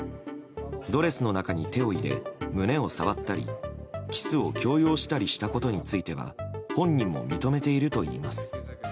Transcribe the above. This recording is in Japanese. ドレスの中に手を入れ胸を触ったりキスを強要したりしたことについては本人も認めているといいます。